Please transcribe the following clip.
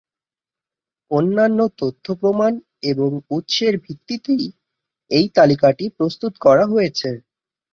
অন্যান্য তথ্য-প্রমাণ এবং উৎসের ভিত্তিতেই এই তালিকাটি প্রস্তুত করা হয়েছে।